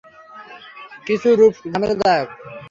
কিছু রূপ ঝামেলাদায়ক।